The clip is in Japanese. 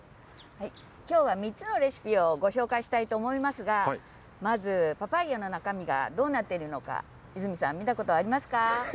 きょうは３つのレシピをご紹介したいと思いますが、まずパパイアの中身がどうなっているのか、泉さん、見たことありますか。